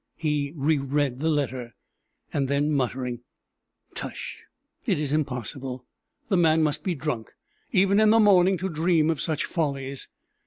He re read the letter, and then muttering, "Tush! it is impossible! the man must be drunk, even in the morning, to dream of such follies!"